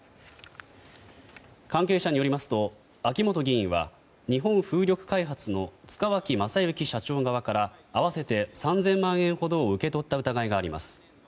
関係者によりますと秋本議員は日本風力開発の塚脇正幸社長側から合わせて３０００万円ほどを受け取った疑いがあります。